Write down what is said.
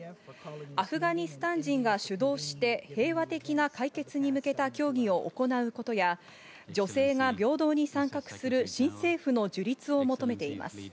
アフガニスタン人が主導して平和的な解決に向けた協議を行うことや、女性が平等に参画する新政府の樹立を求めています。